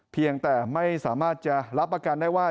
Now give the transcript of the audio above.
เพียงแต่ไม่สามารถจะรับประกันได้ว่า